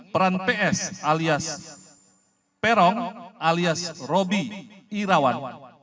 peran ps alias peron alias robi irawan